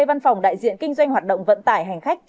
văn phòng đại diện kinh doanh hoạt động vận tải hành khách